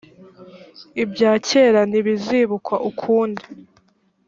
ibya kera ntibizibukwa ukundi